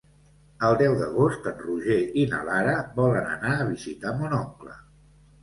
El deu d'agost en Roger i na Lara volen anar a visitar mon oncle.